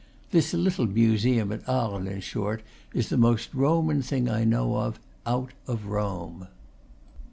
This little Museum at Arles, in short, is the most Ro man thing I know of, out of Rome.